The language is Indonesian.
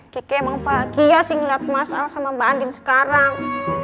kike emang bahagia sih ngeliat mas al sama mba andin sekarang